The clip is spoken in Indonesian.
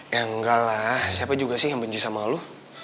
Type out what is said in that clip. ya enggak lah siapa juga sih yang benci sama lu